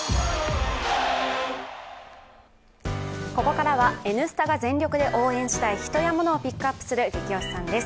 ここからは「Ｎスタ」が全力で応援したい人やものをピックアップする「ゲキ推しさん」です。